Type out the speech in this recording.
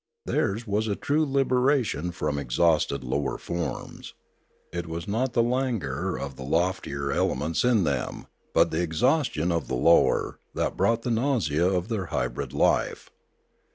Theirs was a true liberation from exhausted lower forms. It was not the languor of the loftier element in them, but the exhaustion of the lower, that brought the nausea of their hybrid life.